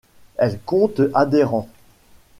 Elle compte adhérents.